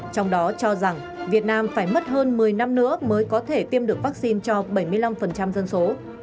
trong đó cho rằng việt nam phải mất hơn một mươi năm nữa mới có thể tiêm được vaccine cho bảy mươi năm dân số